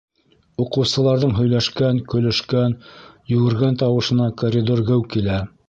Уҡыусыларҙың һөйләшкән, көлөшкән, йүгергән тауышына коридор геү килә.